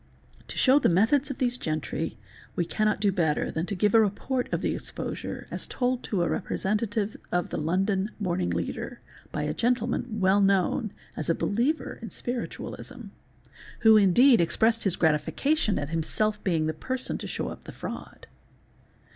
'T'o show the methods of these gentry we cannot do better than give a report of the exposure as told to a representative of : the London "Morning Leader" by a gentleman well known as a believer _ in spiritualism, who indeed expressed his gratification at himself being _ the person to show up the fraud.